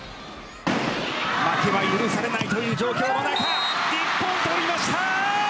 負けは許されないという状況の中日本取りました。